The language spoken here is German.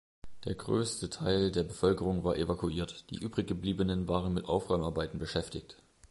Der größte Teil der Bevölkerung war evakuiert, die übriggebliebenen waren mit Aufräumarbeiten beschäftigt.